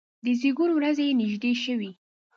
د زیږون ورځې یې نږدې شوې.